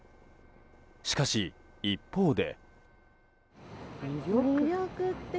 しかし、一方で。